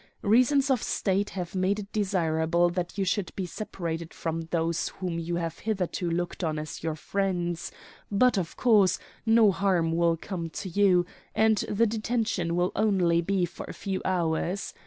Reasons of State have made it desirable that you should be separated from those whom you have hitherto looked on as your friends; but, of course, no harm will come to you, and the detention will only be for a few hours.